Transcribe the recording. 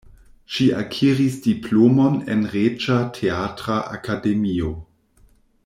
Ŝi akiris diplomon en Reĝa Teatra Akademio.